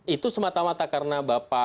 itu semata mata karena bapak tidak punya partai